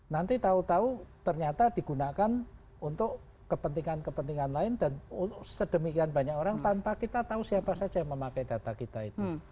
nanti tahu tahu ternyata digunakan untuk kepentingan kepentingan lain dan sedemikian banyak orang tanpa kita tahu siapa saja yang memakai data kita itu